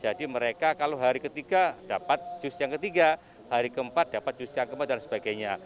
jadi mereka kalau hari ketiga dapat jus yang ketiga hari keempat dapat jus yang keempat dan sebagainya